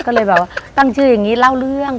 ก็เลยแบบว่าตั้งชื่ออย่างนี้เล่าเรื่อง